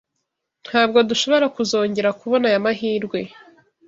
Ntabwo dushobora kuzongera kubona aya mahirwe.